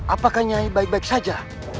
apakah nyai baik baik saja